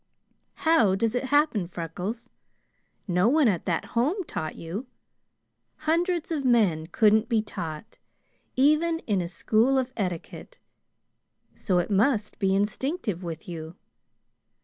How does it happen, Freckles? No one at that Home taught you. Hundreds of men couldn't be taught, even in a school of etiquette; so it must be instinctive with you.